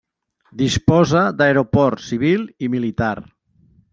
Disposa d'aeroport civil i militar.